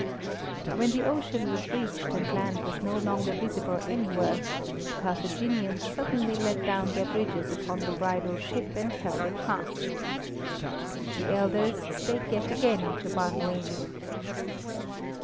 When the ocean was reached and land was no longer visible anywhere, the Carthaginians suddenly let down their bridges upon the bridal ship and held it fast. The elders spake yet again to Bar Noemi.